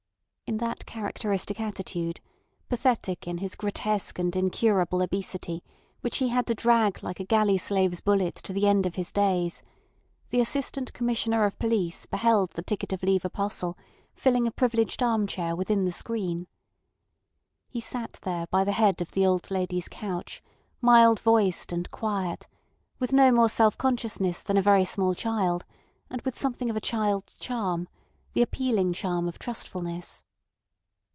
In that characteristic attitude, pathetic in his grotesque and incurable obesity which he had to drag like a galley slave's bullet to the end of his days, the Assistant Commissioner of Police beheld the ticket of leave apostle filling a privileged arm chair within the screen. He sat there by the head of the old lady's couch, mild voiced and quiet, with no more self consciousness than a very small child, and with something of a child's charm—the appealing charm of trustfulness.